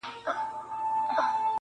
چا ویله چي ګوربت دي زموږ پاچا وي-